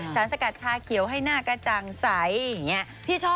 สารสักกาดชาเขียวให้หน้ากระจังไซด์อย่างเงี้ย